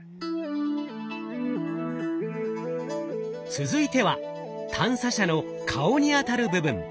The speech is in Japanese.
続いては探査車の顔にあたる部分。